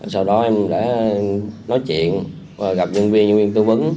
sau đó em đã nói chuyện và gặp nhân viên nhân viên tư vấn